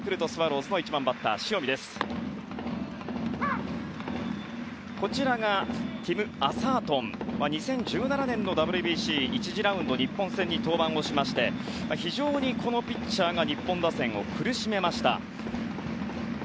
オーストラリアのアサートンは２０１７年のＷＢＣ１次ラウンド日本戦で登板をしまして、非常にこのピッチャーが日本打線を苦しめました。